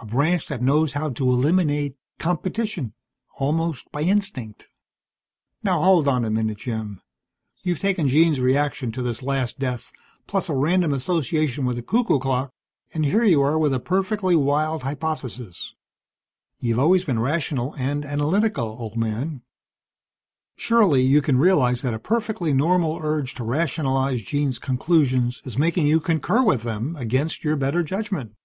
A branch that knows how to eliminate competition almost by instinct." "Now hold on a minute, Jim. You've taken Jean's reaction to this last death, plus a random association with a cuckoo clock, and here you are with a perfectly wild hypothesis. You've always been rational and analytical, old man. Surely you can realize that a perfectly normal urge to rationalize Jean's conclusions is making you concur with them against your better judgment."